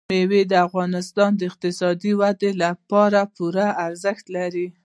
مېوې د افغانستان د اقتصادي ودې لپاره پوره ارزښت لري.